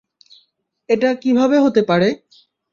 এটা কিভাবে হতে পারে?